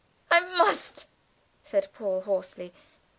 "I must!" said Paul hoarsely.